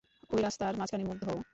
ওই রাস্তার মাঝখানে মুখ ধোয়?